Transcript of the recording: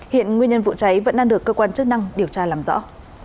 hiện nguyên nhân vụ cháy vẫn đang được cơ quan chức năng điều tra làm rõ